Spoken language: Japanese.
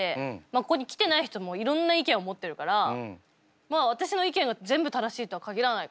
ここに来てない人もいろんな意見を持ってるから私の意見が全部正しいとは限らないから。